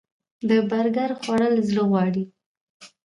د برګر خوړل زړه غواړي